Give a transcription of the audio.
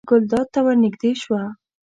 ګلداد ته ور نږدې شوه.